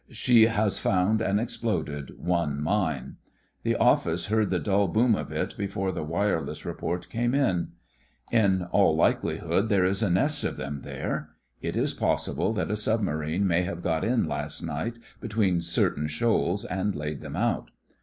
She has found and exploded one mine. The Office heard the dull boom of it before the wireless report came in. THE FRINGES OF THE FLEET 29 In all likelihood there is a nest of them there. It is possible that a submarine may have got in last night between certain shoals and laid them out.